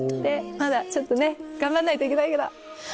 まだちょっとね頑張んないといけないけど。